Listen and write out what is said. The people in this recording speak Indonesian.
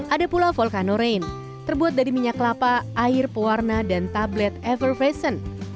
ada pula volcano rain terbuat dari minyak kelapa air pewarna dan tablet ever freshen